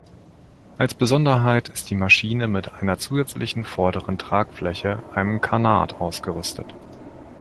Als Besonderheit ist die Maschine mit einer zusätzlichen vorderen Tragfläche, einem Canard, ausgerüstet.